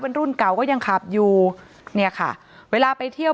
เป็นรุ่นเก่าก็ยังขับอยู่เนี่ยค่ะเวลาไปเที่ยว